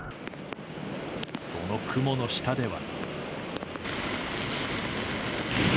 その雲の下では。